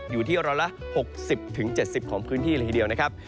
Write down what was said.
อยู่ที่ร้อยละ๖๐๗๐ของพื้นที่เลยทีเดียวนะครับ